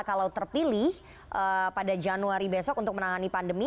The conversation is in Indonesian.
kalau terpilih pada januari besok untuk menangani pandemi